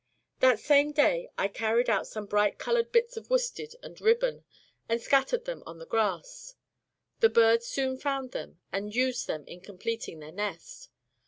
That same day I carried out some bright colored bits of worsted and ribbon, and scattered them on the grass. The birds soon found them and used them in completing their nest.